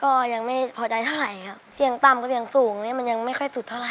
ก็ยังไม่พอใจเท่าไรเสียงต่ำกว่าเสียงสูงมันยังไม่ค่อยสุดเท่าไร